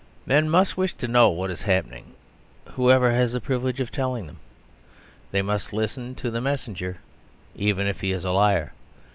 Men must wish to know what is happening, whoever has the privilege of telling them. They must listen to the messenger, even if he is a liar.